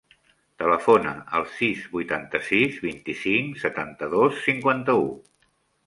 Telefona al sis, vuitanta-sis, vint-i-cinc, setanta-dos, cinquanta-u.